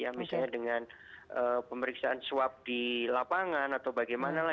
ya misalnya dengan pemeriksaan swab di lapangan atau bagaimana lah